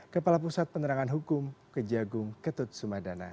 kepala pusat penerangan hukum kejagung ketut sumadana